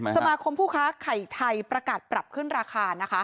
สมาคมผู้ค้าไข่ไทยประกาศปรับขึ้นราคานะคะ